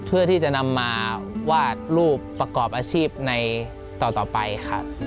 เพื่อที่จะนำมาวาดรูปประกอบอาชีพในต่อไปครับ